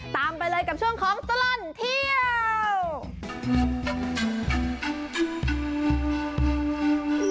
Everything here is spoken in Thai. ไปเลยกับช่วงของตลอดเที่ยว